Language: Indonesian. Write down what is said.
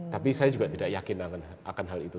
tapi saya juga tidak yakin akan hal itu